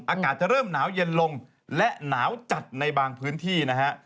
อากาศจะเริ่มหนาวเย็นลงและหนาวจัดในบางพื้นที่นะฮะ